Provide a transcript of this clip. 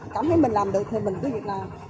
cảm thấy mình làm được thì mình cứ việt nam